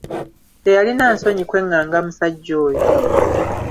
Teyalina nsonyi kweղղanga musajja oyo.